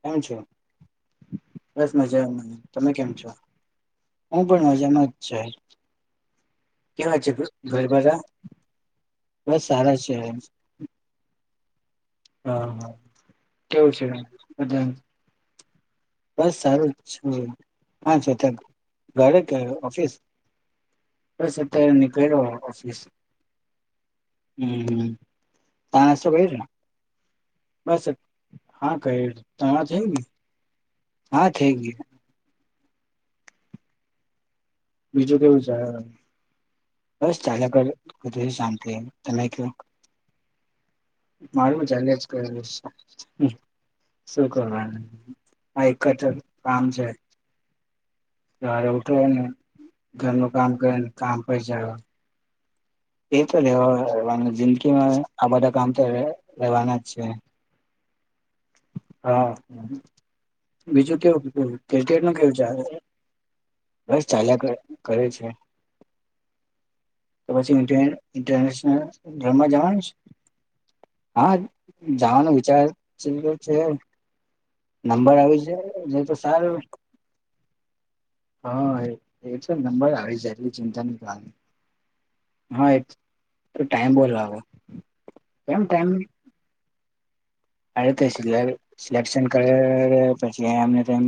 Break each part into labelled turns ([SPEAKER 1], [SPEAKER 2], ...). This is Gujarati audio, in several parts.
[SPEAKER 1] કેમ છે, બસ મજા. તમે કેમ છો? હું પણ મજામાં છુ.
[SPEAKER 2] કેવા છે ઘરે બધા? બસ સારા છે. હા હા કેવું છે બધાનું? બસ સારું જ છે. આ છે કે ઘરે થી ઓફિસ બસ. અત્યારે નીકળ્યો ઓફિસ. હ હ તો નાસ્તો કર્યો બસ હા કે તયે જાયને. હા થઈ ગયું. બીજું કેવું છે બસ ચાલે કરે. બધું શાંતિ તમે કયો.
[SPEAKER 1] મારું ચાલ્યા જ કરે છે, શું કરવાનું, આ એક કામ છે.
[SPEAKER 2] સવારે ઉઠવાનું, ને ઘરનું કામ કરે ને કામ પૈસા એ તો રેવા રહેવાનું જિંદગીમાં આ બધા કામ તો રેવાના જ છે.
[SPEAKER 1] હા હ બીજું કેવું ક્રિકેટ નો ખેલ ચલે, બસ ચાલ્યા કરે છે.
[SPEAKER 2] તો પછી ઇન્ટરનેશનલમાં જવાનું છે. હા જવાનો વિચાર છે. નંબર આવી છે જે તો સાર
[SPEAKER 1] હા એ એટલે નંબર આવી જાય એટલી ચિંતા ની કર.
[SPEAKER 2] હા એ ટાઈમ બોલો. કેમ ટાઈમ. અીતે સ સિલેક્શન કરેે પછી અમને તેમ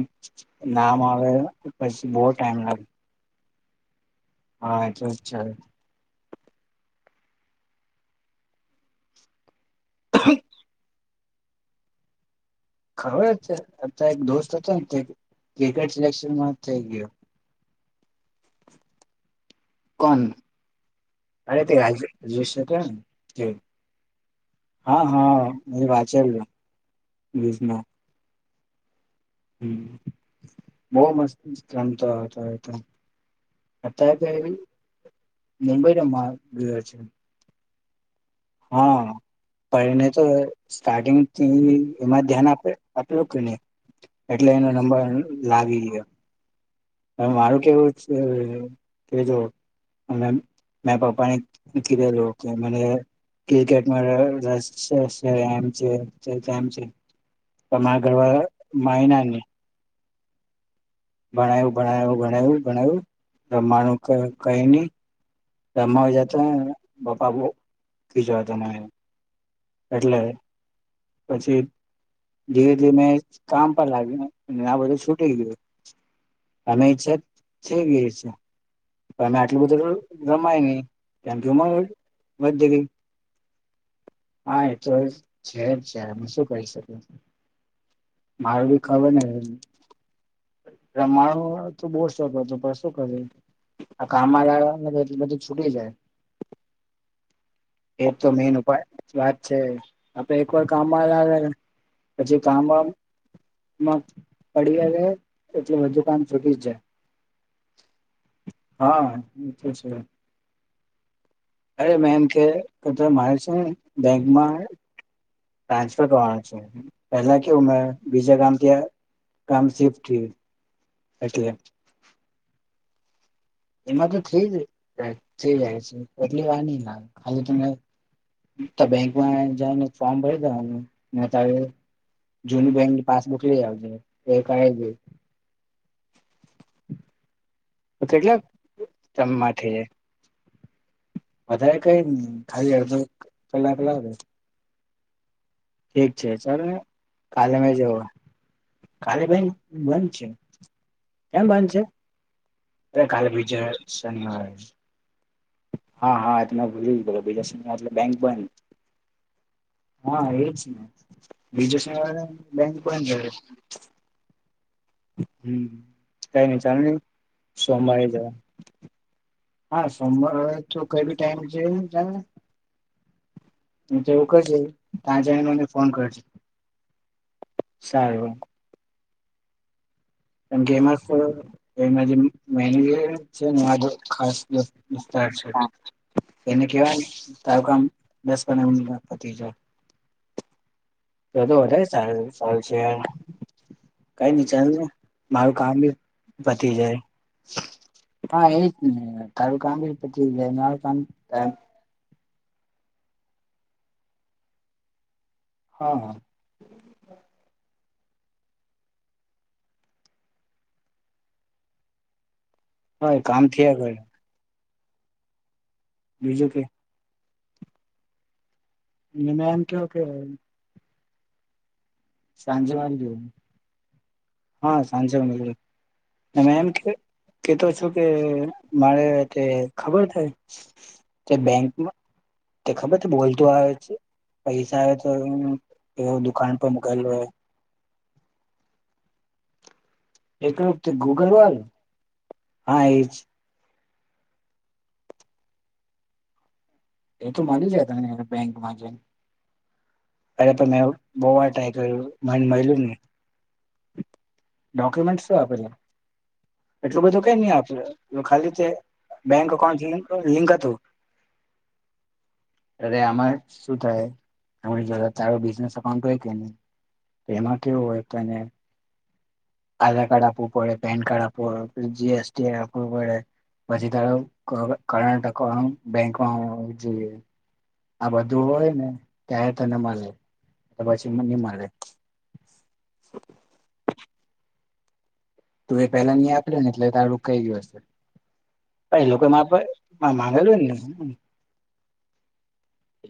[SPEAKER 2] નામ આવે પછી બવ ટાઈમ લાગે.
[SPEAKER 1] હા એ તો જ છે. [inaudible] ખબર છે અ એક દોસ્ત હતા ને ક્રિકેટ સિલેક્શનમાં થઈ ગયો. કોન અરે તે આજે જોય શકે ને કે, હા હા મેં વાંચેલુ ન્યુઝમાં. હ બહ મસ્ત હતો અત્યારે કઈ મુંબઈ નો માર્ગ ગયો છે.
[SPEAKER 2] હા પણ એને તો સ્ટાર્ટિંગથી એમાં ધ્યાન આપ આપલું કે નહી, એટલે એનો નંબર લાગી ગયો. હ મારું કેવું છે કે જો મે પપ્પાને કીધેલું કે મને ક્રિકેટમાં રસ છે છે તો મારાં ઘરવાળા માયના નય. ભણાયું ભણાયું ભણાય ભણાવું રમવાનું કઈ નહી. એમાં જાતો હોય ને [unintelligible] એ
[SPEAKER 1] એટલે
[SPEAKER 2] પછી ધીરે ધીમે મેં કામ પર લાગ્યું આ બધું છૂટી ગયું અમે ઈચ્છા થઈ ગય પણ અમે આટલું બધું રમાય નહી કેમ કે ઉમર વઘી ગઈ
[SPEAKER 1] હા એ તો છે જ ત્યારે અમે શું કરી શકી
[SPEAKER 2] મારુ બી ખબર ને એ
[SPEAKER 1] રમવાનું તો બહુ સોખ હતુ પણ શું કરું આ કામમાં લાગ્યાને એટલ બધું છૂટી જાય
[SPEAKER 2] એ તો મેન ઉપાય વાત છે આપે એક વાર કામમાં લાવે પછી કામ વામ માં પડીયાં રય એટલુ બધું કામ છૂટી જ જાય
[SPEAKER 1] હા એ તો છે
[SPEAKER 2] અરે મે એમ કે મારે છે બેંકમાં ટ્રાન્સફર કરવાના છે પહેલા કેવું મે બીજા ગામથી આયવા ગામ શિફ્ટ થયું એટલે
[SPEAKER 1] એમાં તો થઈ જ થઈ જાય છે એટલી વાર નહી લાગે ખાલી તમેં બેંકમાં જઈ ને ફોર્મ ભરી દેવાનું તારે જુની બેંકની પાસબુક લઈ આવજે એ કરાવ દે
[SPEAKER 2] તો કેટલાક ટાઈમ માં થઈ જાય
[SPEAKER 1] વધારે કઈને ખાલી અડધો કલાક લાગે ઠીક છે સરું કાલે મળીયે કાલે બેન્ક બંધ છે કેમ બંધ છે અરે કાલે બીજા શનિવારે
[SPEAKER 2] હા હા એ તો મેં ભૂલી જ ગયલો બીજા શનિવાર એટલે બેંક બંધ હા એજ ને બીજુ શનિવારે બેન્ક બંધ હોય છે
[SPEAKER 1] હમ્મ કઈ ની ચાલ ની સોમવારે જવા હા સોમવાર થું કઈ બી ટાઈમ કે ને ચાલને
[SPEAKER 2] હું તો એવું કઈશ ત્યાં જને મને ફોન કરજે સારું કેમ કે એમાં જે મેનેજર છેને મારા જોડે ખાસ દોસ્તાર છે એને કેવાારનું તારું કામ દસ પંદર મિનિટ માં પતિ જાહે
[SPEAKER 1] તો તો વધારે સારું સારું છે યાર કઈ નઈ ચાલની મારું કામ બી પતિ જાય હા એજ ને તારું કામ બી પતી જાય મારું કામ કામ હા
[SPEAKER 2] હ એ કામ થયા કરે બીજું કે
[SPEAKER 1] એને મે એમ કિયો કે સાંજે મડીએ.
[SPEAKER 2] હા સાંજે મડીએ. મે એમ કે કેતો છો કે મારે તે ખબર છે તે બેંકમાં તે ખબર છે બોલતું આવે છે પૈસા આવે તો દુકાન પર મુકાયેલ હો એતો ગૂગલ વાળુ હા એજ.
[SPEAKER 1] એ તો મલી જાય તને બેંકમાં જઈને.
[SPEAKER 2] અરે પણ મેં બો વાર ટ્રાય કર્યું મને મળલ્યું જ ની.
[SPEAKER 1] ડોકુમેન્ટ શું આપેલુ એટલું બધું કઈ ની આપેલુ ખાલી તે બેંક એકાઉન્ટ લિંક હતું અરે આમાં શું થાય આની જોડે તારું બિઝનેસ અઉન્ટ હોય કે ની એમાં કેવું હોય કે ને આધાર કાર્ડ આપવું પડે, પેન કાર્ડ આપવું પડે જી એસ ટી આપવું પડે પછી તારો ક કરંટ અકાઉન્ટ બેંકમાં હોવુ જોઈએ આ બધું હોયને ત્યારે તને મલે તો પછી બી ની મલે.
[SPEAKER 2] તું એ પેલા ની આપેલું ને એટલે તારું રોકાઈ ગયું હશે પણ એ લોકો મારા પર પણ માગેલું જ ની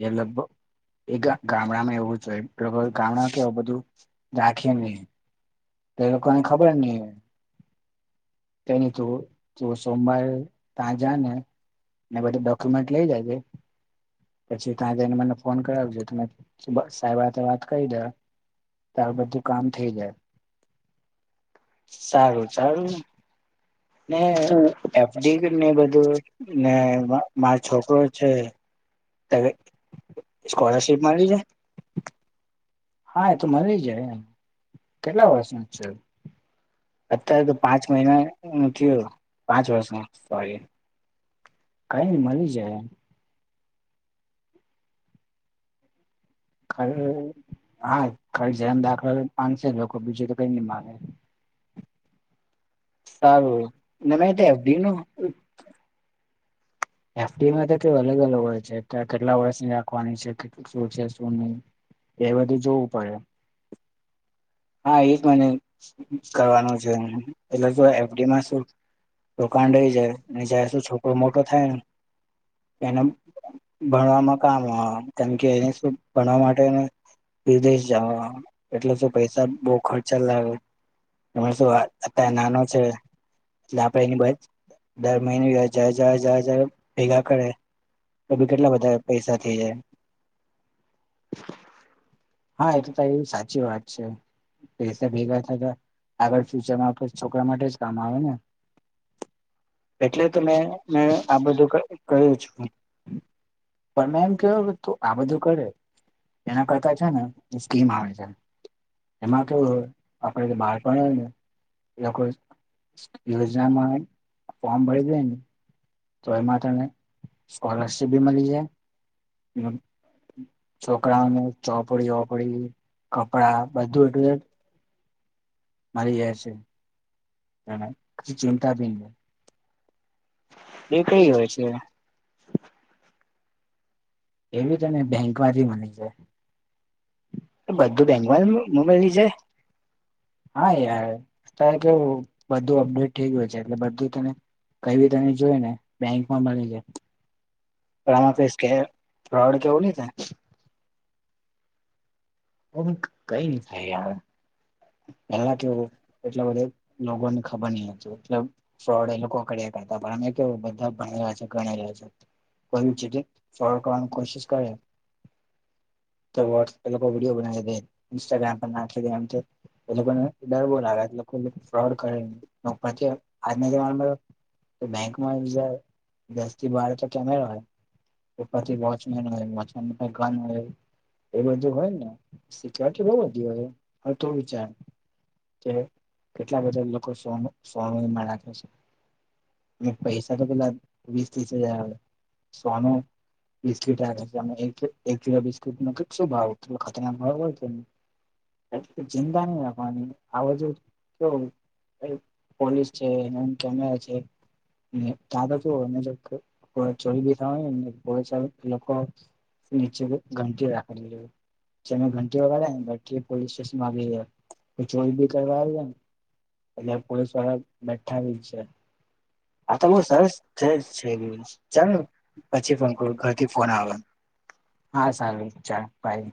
[SPEAKER 1] એ લગભગ એ ગા ગામડામાં એવું જ હોય એ લોકો ગામડા કેવુ બધું રાખે નહીં. તો લોકોને ખબર ની હોય. તેની તું તું સોમવારે ત્યાં જા ને ને બધુ ડોક્યુમેન્ટ લઈ જજે પછી ત્યાં જઈને મને ફોન કરાવજે તો મે સાહેબ વાત કરી દેવા તારું બધું કામ થઈ જાય.
[SPEAKER 2] સારું ચાડું ને. ને એફડી કરી ને બધું ને માર-મારો છોકરો છે. તારે સ્કોલરશિપ મળી જાય.
[SPEAKER 1] હા, એ તો મલી જાય એમ. કેટલા વર્ષનો છે?
[SPEAKER 2] અત્યારે તો પાંચ મહિના નો થીયો, પાંચ વર્ષનો સોરી.
[SPEAKER 1] કઈ ની મલી જાય. ખાલે હા ખલી જનમ દાખલો માંગશે એ લોકો બીજું તો કઈ નહીં માગે.
[SPEAKER 2] સારું ને મે તો એફડીનું ઉ
[SPEAKER 1] એફટીમાં તો કઈ અલગ અલગ હોય છે કે કેટલા વર્ષની રાખવાની છે કેટલી શું છે શું નહી, એ બધું જોવું પડે.
[SPEAKER 2] હા એ જ મને કરવાનું છે. એટલે તો એફડીમાં શું રોકાણ થઈ જાય ને જ્યાર શું છોકરો મોટો થાય ને એને ભણવામાં કામ આવ કેમ કે એને શ ભણવા માટે વિદેશ જવા એટલે જે ત્યાર બહુ ખર્ચા લાગ્યો ત શું અત્યારે નાનો છે એટલે આપડે એની બ દર મહિને જા જા જા અબ ભેગા કરે તો બી કેટલા બધા પૈસા થઈ જાય.
[SPEAKER 1] હા, એ તો તારી સાચી વાત. પેસા ભેગા થતા ગયા આગળ ફ્યુચરમાં છોકરા માટે જ કામ આવે ને.
[SPEAKER 2] એટલે તો મે મે આ બધું ક-કર્યું છે. પણ મેં એમ કે તું આ બધું કરે એના કરતા
[SPEAKER 1] છે ને એ સ્કીમ આવે છે. એમાં કેહું હોય આપડે જે બાળપણયને હે લોક યોજનામાં ફોમ ભરી જાય ને. તો એમાં તમને સ્કોલરશીપ બી મળી જાય ને છોકરાઓને ચોપડી વોપડી કપડા બધું એટલે મારી એ છે ચિંતા ની
[SPEAKER 2] એ કઈ હોય છે
[SPEAKER 1] એવી તને બેંક માંથી મલી જાય. બધું બેંકમાં છ મળી જાય હા યાર એ કેવુંક બધું અપડેટ થઈ ગયું છે એટલે બધું તને કઈ તને જોય ને બેંકમાં મળી જાય.
[SPEAKER 2] પણ આપડે એસ્કે ફ્રોડ કેવું નહીં થાય.
[SPEAKER 1] એમ કઈ ની થાય યાર. પેલા કેવું એટલા બધા લોકોને ખબર ની હતી એટ ફોડ એ લોકો કર્યા કરતા પણ કેું બધા ભણેલા છે ગણેલા છે કો ફ્રોડ કરવાનું કોશિશ કરે. તો વ એ લોકો વિડીયો બનાવી દે ઇન્સ્ટાગ્રામ પર નાખી દે આમ તો. એ લોકોને ડર બોલાવે ફ્રોડ કરે ઉપરથી આજના જમાનામાં બેંકમાં દસ થી બાર તો કેમેરા હોય ઉપરથી વોચમેન હોમે ગન હોય. એ બધું હોય ને સિક્યોરિટી બઉ બધી હોય. તુ વિચાર કે કેટલા બધા લોકો સો સોનું એમાં રાખે છે ને પૈસા તો પેલા વીસ ત્રીસ હજાર આવે સોનું બિસ્કટ રાખે છે એક કિલો બિસ્કટ શું ભાવ ખતરનાક ભાવ હોય છે એ ચિંતા નહી રાખવાની આધુ કેવું પોલીસ છે એ કેમેરા છે ત્યારે જો મતલબ ચોરી થવાની લોકો નીચે જે મે ઘંટી વગાડ્યા ને બેઠી પોલીસ સ્ટેશ [unintelligible] ચોરી બી કરવા આવી ને એટલે પોલીસ વાળા બેઠા હોય છે. આ તો સરસ છે છે ચાલો પછી ઘરથી ફોન આવે હા સારું ચાલો બાય.